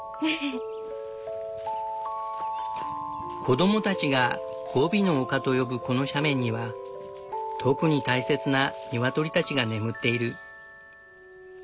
子供たちが「ゴビの丘」と呼ぶこの斜面には特に大切なニワトリたちが眠っている。